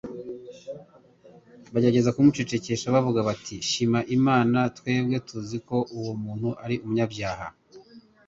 Bagerageza kumucecekesha bavuga bati : «Shima Imana, twebwe tuzi ko uwo muntu ari umunyabyaha.